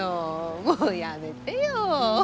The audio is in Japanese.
もうやめてよ。